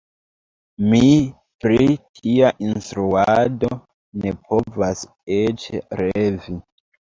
Mi pri tia instruado ne povas eĉ revi.